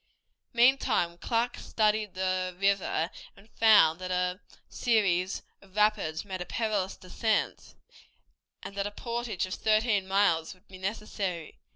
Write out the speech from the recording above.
Meantime Clark studied the river and found that a series of rapids made a perilous descent, and that a portage of thirteen miles would be necessary.